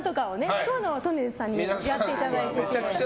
そういうのをとんねるずさんにやっていただいて。